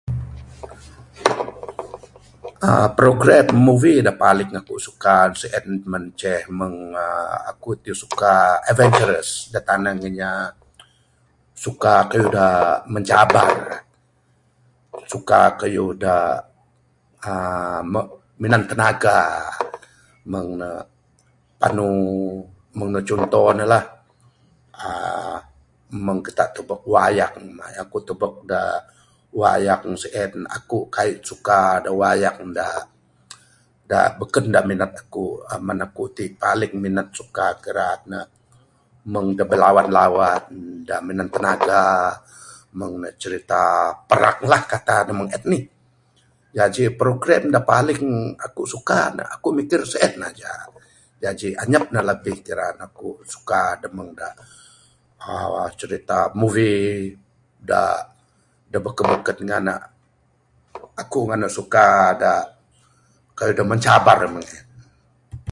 uhh progrem movie da paling aku suka sien manceh mung uhh aku suka adventures, da tanang inya suka kayuh da mencabar suka kayuh da uhh minan tenaga aa nuh mung cunto nuh lah uhh kita tubek wayang ngaya aku tubek da wayang sien, aku kaii suka da wayang da da beken da minat aku man aku ti paling minat suka pak nuh mung sa bilawan-bilawan da minan tenaga uhh mung cirita uhh parang lah erti kata da mung en nih. Jaji progrem da paling aku suka nuh aku mikir sien aja jaji anyap nuh labih kira nuh aku suka mung da aaa cirita movie da bekun-bekum da ngan nuh aku ngan nuh suka kayuh da mencabar en.